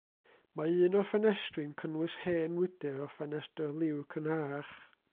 Mae un o'r ffenestri'n cynnwys hen wydr o ffenestr liw cynharach.